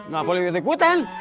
gak boleh ikut ikutan